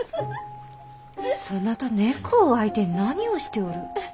そなた猫を相手に何をしておる。